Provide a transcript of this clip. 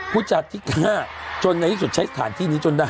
ผู้จัดที่ฆ่าจนในที่สุดใช้สถานที่นี้จนได้